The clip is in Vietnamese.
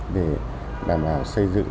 để đảm bảo xây dựng